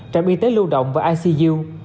trạm y tế lưu động và icu